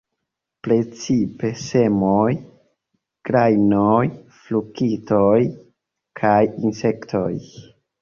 Precipe semoj, grajnoj, fruktoj kaj insektoj.